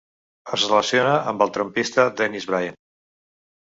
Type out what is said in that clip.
Es relaciona amb el trompista Dennis Brain.